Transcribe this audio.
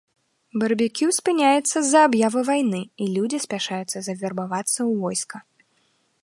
Барбекю спыняецца з-за аб'явы вайны, і людзі спяшаюцца завербавацца ў войска.